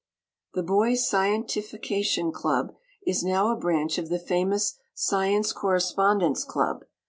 The Boys' Scientification Club is now a branch of the famous Science Correspondence Club.